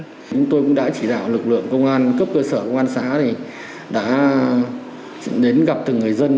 chúng tôi cũng đã chỉ đạo lực lượng công an cấp cơ sở công an xã đã đến gặp từng người dân